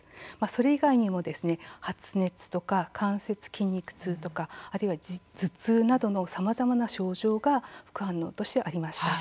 それ以外にも発熱とか関節・筋肉痛とかあるいは頭痛などのさまざまな症状が副反応としてありました。